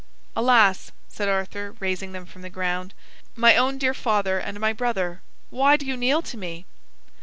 "Alas," said Arthur, raising them from the ground, "my own dear father and my brother, why do you kneel to me?"